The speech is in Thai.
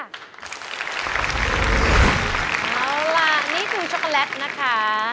เอาล่ะนี่คือช็อกโกแลตนะคะ